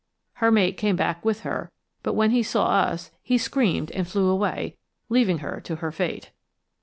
Her mate came back with her, but when he saw us, he screamed and flew away, leaving her to her fate.